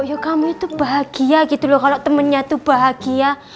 ya kamu itu bahagia gitu loh kalau temennya tuh bahagia